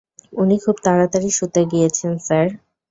উনি খুব তাড়াতাড়ি শুতে গিয়েছেন, স্যার।